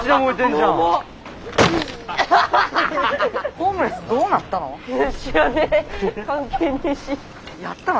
ホームレスどうなったの？